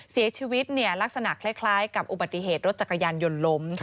เสียชีวิตลักษณะคล้ายกับอุบัติเหตุรถจักรยานยนต์ล้ม